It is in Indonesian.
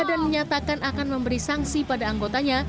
dan menyatakan akan memberi sanksi pada anggotanya